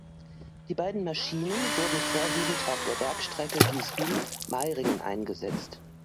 Die beiden Maschinen wurden vorwiegend auf der Bergstrecke Giswil–Meiringen eingesetzt.